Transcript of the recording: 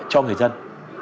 cho người dân